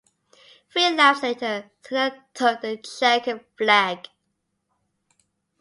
Three laps later Senna took the chequered flag.